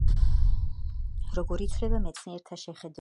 როგორ იცვლება მეცნიერთა შეხადულებები